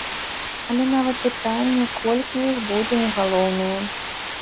Але нават пытанне, колькі іх, будзе не галоўнае.